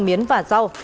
miến và rau